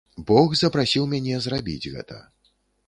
Бог запрасіў мяне зрабіць гэта.